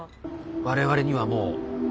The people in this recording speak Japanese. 我々にはもう。